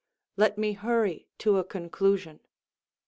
Let me hurry to a conclusion.